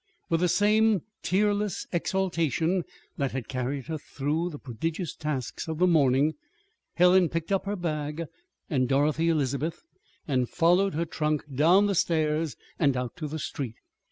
With the same tearless exaltation that had carried her through the prodigious tasks of the morning, Helen picked up her bag and Dorothy Elizabeth, and followed her trunk down the stairs and out to the street.